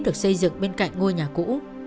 được xây dựng bên cạnh ngôi nhà cũ